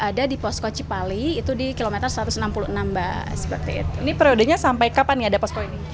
ada di posko cipali itu di kilometer satu ratus enam puluh enam mbak ini periodenya sampai kapan nih ada posko ini